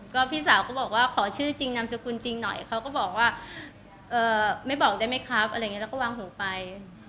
ก็พี่สาวก็บอกว่าขอชื่อจริงนามสกุลจริงหน่อยเขาก็บอกว่าไม่บอกได้ไหมครับอะไรอย่างนี้แล้วก็วางหูไป